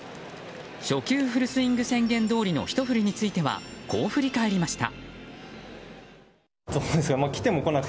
初球フルスイング宣言どおりのひと振りについてはこう振り返りました。